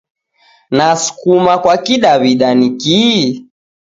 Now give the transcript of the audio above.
Na Sukuma kwa kidaw'ida ni kihi?